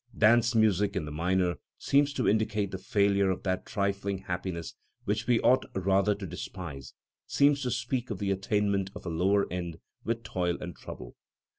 Dance music in the minor seems to indicate the failure of that trifling happiness which we ought rather to despise, seems to speak of the attainment of a lower end with toil and trouble.